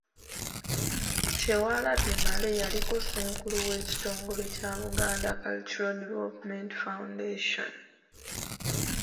Kyewalabye Male yaliko Ssenkulu w'ekitongole kya Buganda Cultural Development Foundation.